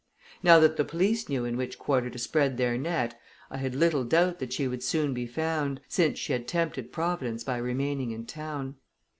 Now that the police knew in which quarter to spread their net, I had little doubt that she would soon be found, since she had tempted providence by remaining in town.